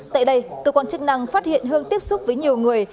tại đây cơ quan chức năng phát hiện hương tiếp xúc với nhiều người